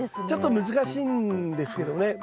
ちょっと難しいんですけどね。